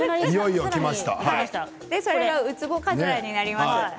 ウツボカズラになります。